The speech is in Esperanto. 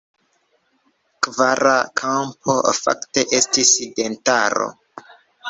Kvara kampo fakte estis tendaro.